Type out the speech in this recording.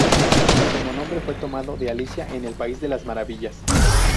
Y como nombre fue tomado de Alicia en el país de las Maravillas.